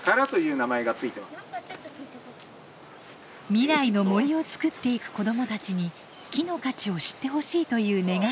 未来の森を作っていく子どもたちに木の価値を知ってほしいという願いを込めて。